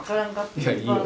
いやいいよ。